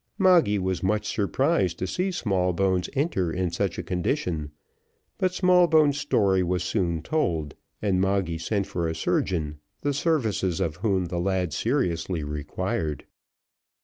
Moggy was much surprised to see Smallbones enter in such a condition; but Smallbones' story was soon told, and Moggy sent for a surgeon, the services of whom the lad seriously required.